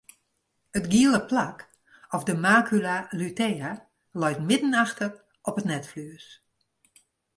It giele plak of de macula lutea leit midden efter op it netflues.